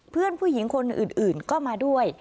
เพื่อนผู้หญิงคนอื่นก็มาด้วย